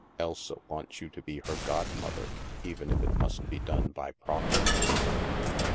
Elsa wants you to be her godmother, even if it must be done by proxy."